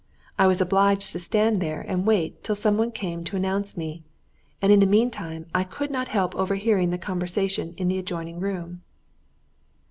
I was obliged to stand there and wait till some one came to announce me, and in the meantime I could not help overhearing the conversation in the adjoining room.